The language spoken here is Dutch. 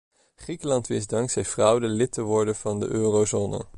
Griekenland wist dankzij fraude lid te worden van de eurozone.